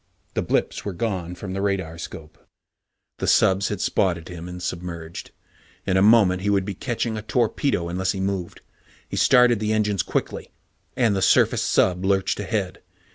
The blips were gone from the radar scope. The subs had spotted him and submerged. In a moment he would be catching a torpedo, unless he moved. He started the engines quickly, and the surfaced sub lurched ahead.